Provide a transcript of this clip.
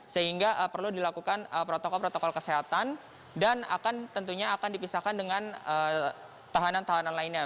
sehingga perlu dilakukan protokol protokol kesehatan dan tentunya akan dipisahkan dengan tahanan tahanan lainnya